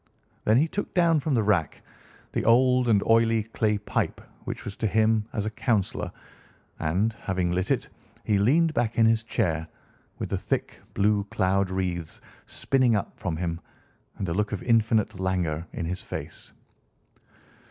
Then he took down from the rack the old and oily clay pipe, which was to him as a counsellor, and, having lit it, he leaned back in his chair, with the thick blue cloud wreaths spinning up from him, and a look of infinite languor in his face.